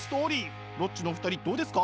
ロッチの２人どうですか？